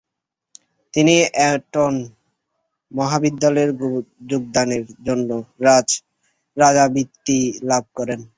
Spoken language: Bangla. তিনি এটন মহাবিদ্যালয়ে যোগদানের জন্য রাজা বৃত্তি লাভ করেন।